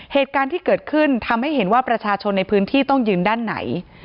เหตุการณ์ที่เกิดขึ้นทำให้เห็นว่าประชาชนในพื้นที่ต้องยืนด้านไหน